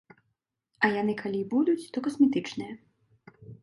А яны калі і будуць, то касметычныя.